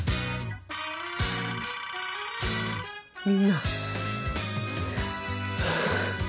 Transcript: みんな。